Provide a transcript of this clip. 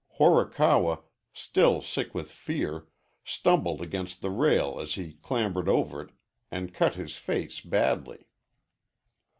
Horikawa, still sick with fear, stumbled against the rail as he clambered over it and cut his face badly.